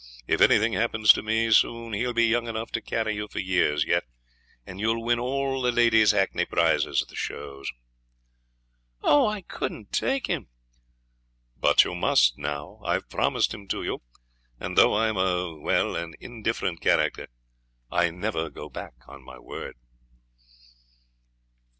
If anything happens to me soon he'll be young enough to carry you for years yet. And you'll win all the ladies' hackney prizes at the shows.' 'Oh! I couldn't take him.' 'But you must now. I've promised him to you, and though I am a well an indifferent character, I never go back on my word.'